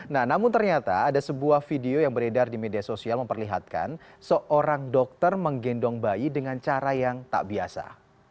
nah namun ternyata ada sebuah video yang beredar di media sosial memperlihatkan seorang dokter menggendong bayi dengan cara yang tak biasa